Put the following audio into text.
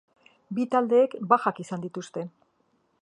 Bi taldeek bajak izan dituzte.